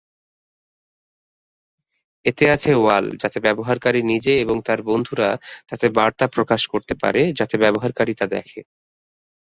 এতে আছে ওয়াল যাতে ব্যবহারকারী নিজে এবং তার বন্ধুরা তাতে বার্তা প্রকাশ করতে পারে যাতে ব্যবহারকারী তা দেখে।